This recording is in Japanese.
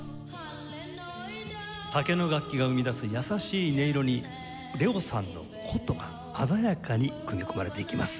竹の楽器が生み出す優しい音色にＬＥＯさんの箏が鮮やかに組み込まれていきます。